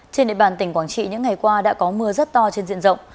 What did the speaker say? trên địa bàn tỉnh quảng trị những ngày qua đã có mưa rất to trên diện rộng